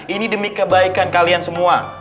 ini demi kebaikan kalian semua